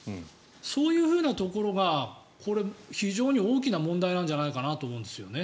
そういうふうなところがこれ非常に大きな問題なんじゃないかなと思うんですよね。